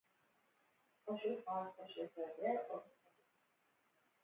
או שהוכרז פושט רגל או בפירוק